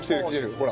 ほら。